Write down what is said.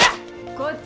こっち